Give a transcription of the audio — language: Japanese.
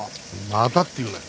またって言うなよ。